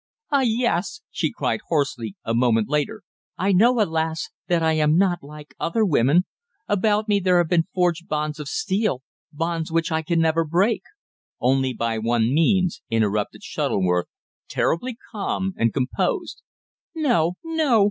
"Ah! yes," she cried hoarsely a moment later. "I know, alas! that I am not like other women. About me there have been forged bonds of steel bonds which I can never break." "Only by one means," interrupted Shuttleworth, terribly calm and composed. "No, no!"